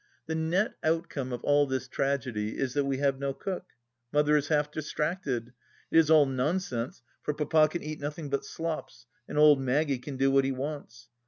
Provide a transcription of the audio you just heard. The net outcome of all this tragedy is, that we have no cook. Mother is half distracted. It is all nonsense, for Papa can eat nothing but slops, and old Maggie can do what he wants.